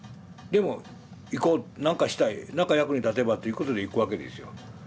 でも行こうなんかしたいなんか役に立てばということで行くわけですよ。